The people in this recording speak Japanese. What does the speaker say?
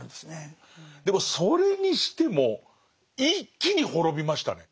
でもそれにしても一気に滅びましたね。